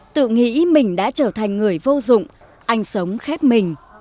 tự nghĩ mình đã trở thành người vô dụng anh sống khép mình